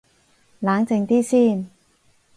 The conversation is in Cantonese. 冷靜啲先